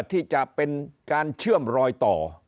ที่จะเป็นการเชื่อมรอยต่อ